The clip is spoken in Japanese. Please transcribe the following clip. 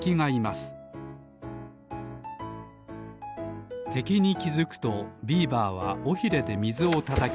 すてきにきづくとビーバーはおひれでみずをたたきます。